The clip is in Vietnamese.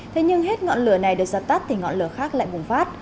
thế nhưng hết ngọn lửa này được dập tắt thì ngọn lửa khác lại bùng phát